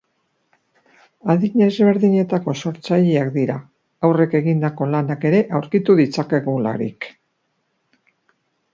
Adin ezberdinetako sortzaileak dira, haurrek egindako lanak ere aurkitu ditzakegularik.